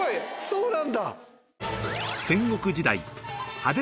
そうなんだ。